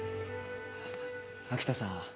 ・秋田さん